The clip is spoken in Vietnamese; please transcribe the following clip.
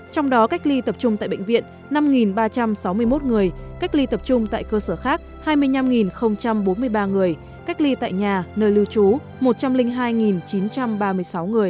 trong đó cách ly tập trung tại bệnh viện năm ba trăm sáu mươi một người cách ly tập trung tại cơ sở khác hai mươi năm bốn mươi ba người cách ly tại nhà nơi lưu trú một trăm linh hai chín trăm ba mươi sáu người